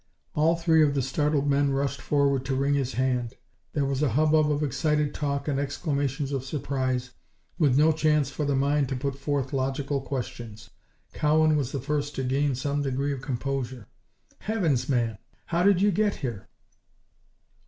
All three of the startled men rushed forward to wring his hand. There was a hubbub of excited talk and exclamations of surprise, with no chance for the mind to put forth logical questions. Cowan was the first to gain some degree of composure. "Heavens, man! How did you get here?"